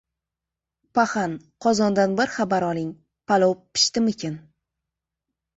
Paxan, qozondan bir xabar oling, palov pishdimikin!